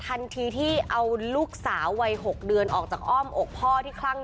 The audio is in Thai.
ทันทีที่เอาลูกสาววัย๖เดือนออกจากอ้อมอกพ่อที่คลั่ง